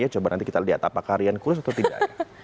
coba nanti kita lihat apakah rian kurus atau tidak